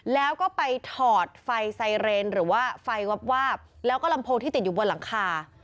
แล้วก็ไปถอดไฟไซเรนหรือว่าไฟวาบแล้วก็ลำโพงที่ติดอยู่บนหลังคา